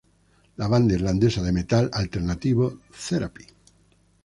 La banda irlandesa de metal alternativo Therapy?